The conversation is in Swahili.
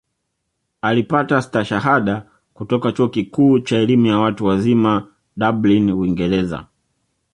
Alipata Stashahada kutoka Chuo Kikuu cha Elimu ya Watu Wazima Dublin Uingereza